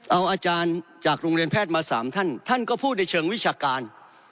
เอาอาจารย์จากโรงเรียนแพทย์มา๓ท่านท่านก็พูดในเชิงวิชาการ